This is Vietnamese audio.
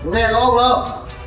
nghe không lâm